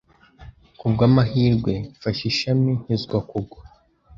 Kubwamahirwe, mfashe ishami nkizwa kugwa.